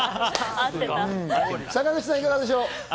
坂口さん、いかがでしょう？